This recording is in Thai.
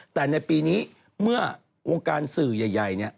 แต่ในปีนี้เมื่อวงการสื่อใหญ่เนี่ย